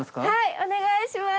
お願いします。